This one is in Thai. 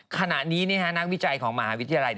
ขณะนี้นักวิจัยของมหาวิทยาลัย